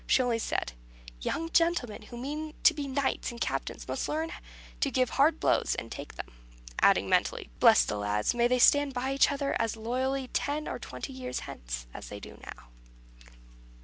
She only said, "Young gentlemen who mean to be knights and captains must learn to give hard blows and take them." Adding mentally "Bless the lads! May they stand by each other as loyally ten or twenty years hence as they do now."